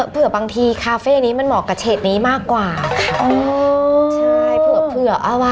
เผื่อบางทีคาเฟ่นี้มันเหมาะกับเฉดนี้มากกว่าค่ะ